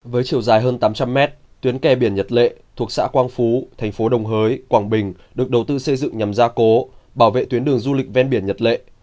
với chiều dài hơn tám trăm linh m tuyến kè biển nhật lệ thuộc xã quang phú thành phố đồng hới quảng bình được đầu tư xây dựng nhằm gia cố bảo vệ tuyến đường du lịch ven biển nhật lệ